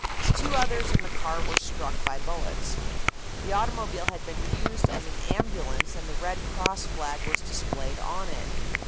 Two others in the car were struck by bullets. The automobile had been used as an ambulance and the Red Cross flag was displayed on it.